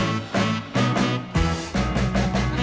รับทราบ